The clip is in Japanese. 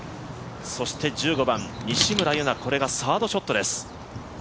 そして、１５番西村優菜サードショットです。